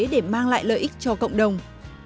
để mang lại lợi ích cho cộng đồng